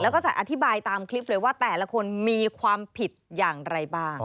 แล้วก็จะอธิบายตามคลิปเลยว่าแต่ละคนมีความผิดอย่างไรบ้าง